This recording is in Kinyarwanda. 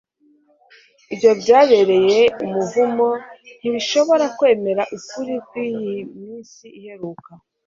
ibyo byababereye umuvumo. ntibashobora kwemera ukuri kw'iyi minsi iheruka